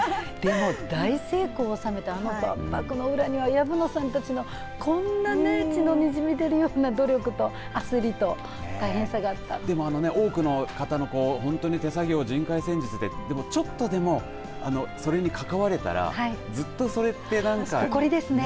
でも大成功を収めた万博の裏にはこんなね血のにじみ出るような努力と焦りとでも多くの方の本当に手作業、人海戦術ででも、ちょっとでもそれに関われたらずっとそれって。